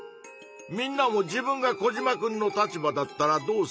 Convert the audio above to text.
みんなも自分がコジマくんの立場だったらどうするか？